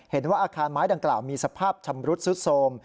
เห็นว่าอาคารไม้ดังกล่าวมีสภาพชำรุดสุดโทรม